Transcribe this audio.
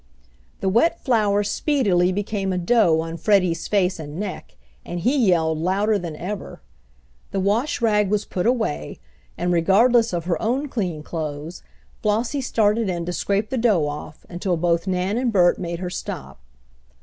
The wet flour speedily became a dough on Freddie's face and neck, and he yelled louder than ever. The wash rag was put away, and regardless of her own clean clothes, Flossie started in to scrape the dough off, until both Nan and Bert made her stop.